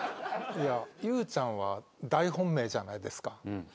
ゆうちゃんは大本命じゃないですか。